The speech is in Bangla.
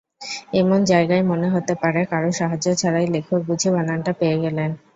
এমন জায়গায় মনে হতে পারে, কারও সাহায্য ছাড়াই লেখক বুঝি বানানটা পেয়ে গেলেন।